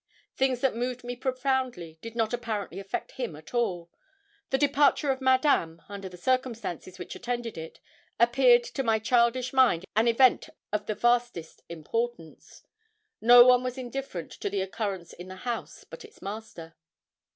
Things that moved me profoundly did not apparently affect him at all. The departure of Madame, under the circumstances which attended it, appeared to my childish mind an event of the vastest importance. No one was indifferent to the occurrence in the house but its master.